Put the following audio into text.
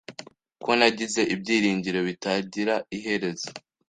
Ko nagize ibyiringiro bitagira iherezo